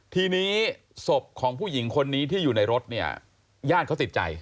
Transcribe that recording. ทีนี้ศพของผู้หญิงคนนี้ที่อยู่ในรถเนี่ยญาติเขาติดใจ